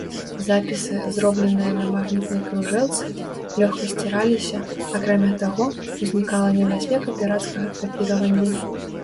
Запісы, зробленыя на магнітнай кружэлцы, лёгка сціраліся, акрамя таго, узнікала небяспека пірацкага капіравання.